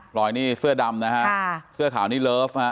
ลอยนี่เสื้อดำนะฮะเสื้อขาวนี่เลิฟฮะ